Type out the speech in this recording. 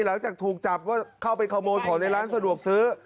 หลังจากถูกจับก็เข้าไปขโมยของในร้านสะดวกซื้อ